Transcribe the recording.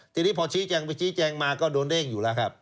ทีนี้พอชี้แจงไปชี้แจงมาก็โดนเด้งอยู่แล้วครับ